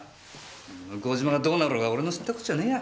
向島がどうなろうが俺の知ったこっちゃねぇや。